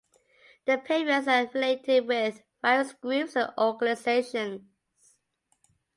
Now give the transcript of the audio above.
The Paviors are affiliated with various groups and organizations.